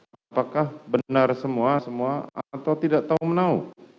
apakah benar semua semua atau tidak tahu menau